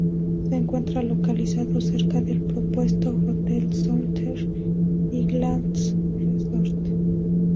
Se encuentra localizado cerca del propuesto hotel Southern Highlands Resort.